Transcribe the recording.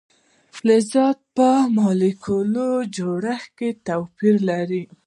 فلزات په مالیکولي جوړښت کې توپیر لري.